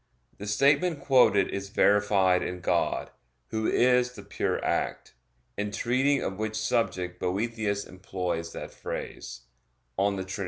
The statement quoted is verified in God, Who is the Pure Act; in treating of which subject Boethius employs that phrase (De Trin.